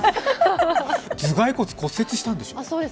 頭蓋骨骨折したんでしょ？